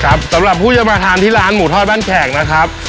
สำหรับผู้จะมาทานที่ร้านหมูทอดบ้านแขกนะครับ